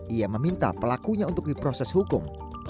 ia meminta pelakunya untuk diproses hukum